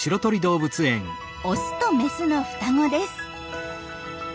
オスとメスの双子です。